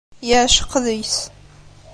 Yeɛceq deg-s.